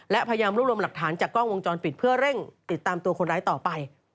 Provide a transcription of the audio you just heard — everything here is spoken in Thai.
และพยายามรวบรวมหลักฐานจากกล้องวงจรปิดเพื่อเร่งติดตามตัวคนร้ายต่อไป